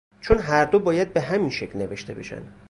چون هر دو باید به همین شکل نوشته بشن